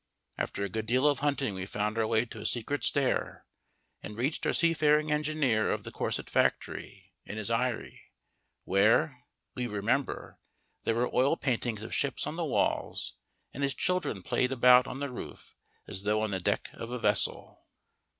After a good deal of hunting we found our way to a secret stair and reached our seafaring engineer of the corset factory in his eyrie, where (we remember) there were oil paintings of ships on the walls and his children played about on the roof as though on the deck of a vessel.